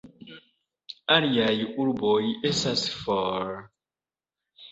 Aliaj urboj estas for.